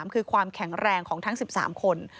คือความแข็งแรงของทั้ง๑๓คน